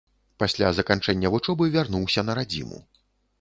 Пасля заканчэння вучобы вярнуўся на радзіму.